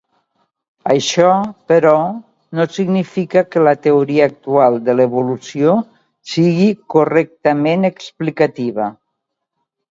Això, però, no significa que la teoria actual de l"evolució sigui correctament explicativa.